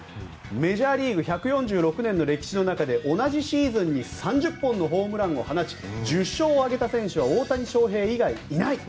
メジャーリーグ１４６年の歴史の中で同じシーズンに３０本のホームランを放ち１０勝を挙げた選手は大谷翔平以外いない。